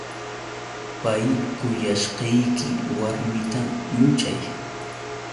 Pay kuyashqayki warmita muchay.